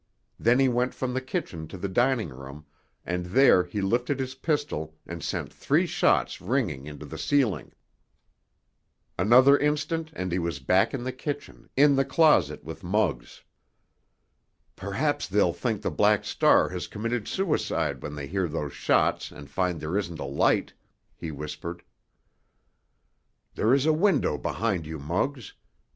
Then he went from the kitchen to the dining room, and there he lifted his pistol and sent three shots ringing into the ceiling. Another instant and he was back in the kitchen, in the closet with Muggs. "Perhaps they'll think the Black Star has committed suicide when they hear those shots and find there isn't a light," he whispered. "There is a window behind you, Muggs.